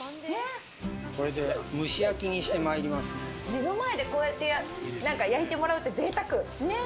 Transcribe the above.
目の前でこうやって焼いてもらうって贅沢。